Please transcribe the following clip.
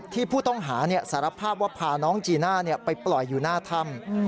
ผู้ต้องหาสารภาพว่าพาน้องจีน่าไปปล่อยอยู่หน้าถ้ำ